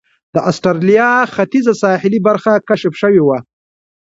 د اسټرالیا ختیځه ساحلي برخه کشف شوې وه.